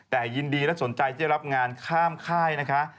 แต่ยินดีและสนใจจะรับงานข้ามค่ายนะคะ